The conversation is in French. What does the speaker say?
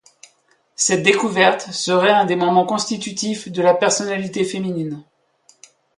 Cette découverte serait un des moments constitutifs de la personnalité féminine.